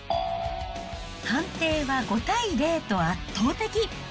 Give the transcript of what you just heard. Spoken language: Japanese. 判定は５対０と圧倒的。